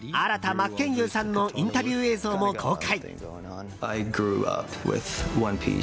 真剣佑さんのインタビュー映像も公開。